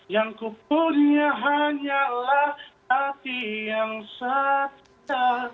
yang kupunya hanyalah hati yang satu